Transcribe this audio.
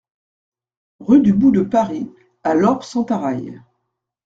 Rue du Bout de Paris à Lorp-Sentaraille